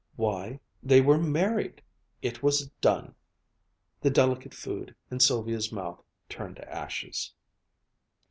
Why, they were married! It was done! The delicate food in Sylvia's mouth turned to ashes.